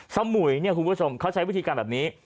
สมุยเนี่ยคุณผู้ชมเขาใช้วิธีการแบบนี้